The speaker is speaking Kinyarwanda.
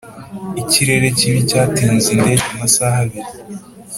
ikirere kibi cyatinze indege amasaha abiri.